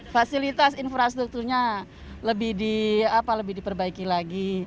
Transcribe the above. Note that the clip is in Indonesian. fasilitas infrastrukturnya lebih diperbaiki lagi